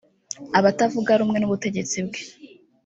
Abatavuga rumwe n’ubutegetsi bwe